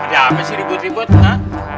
ada apa sih ribut ribut nak